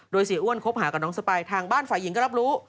โดยเสียอ้วนคบหากับน้องสปายทางบ้านฝ่ายหญิงก็รับรู้